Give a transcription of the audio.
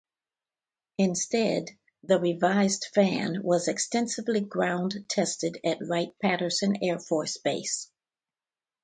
Instead, the revised fan was extensively ground tested at Wright-Patterson Air Force Base.